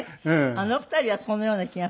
あの２人はそんなような気がする。